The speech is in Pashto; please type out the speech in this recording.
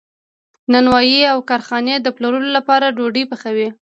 نانوایی او کارخانې د پلورلو لپاره ډوډۍ پخوي.